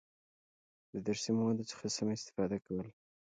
د درسي موادو څخه سمه استفاده کول،